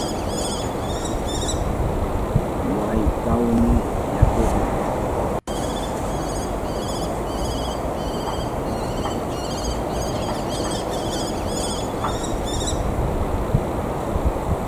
Waytahuni yakupi.